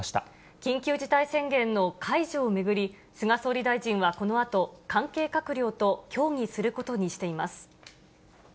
緊急事態宣言の解除を巡り、菅総理大臣はこのあと、関係閣僚と協議することにしています。